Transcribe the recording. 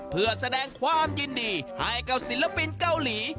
เพื่อแสดงความยินดีให้กับศิลปินเกาหลี